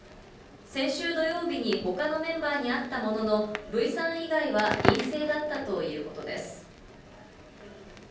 先週土曜日に、ほかのメンバーに会ったものの、Ｖさん以外は陰性だったということです。